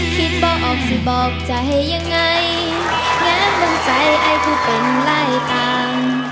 คิดบ่ออบสิบอกใจยังไงแง่มบังใจไอ้ผู้เป็นไร้ตาม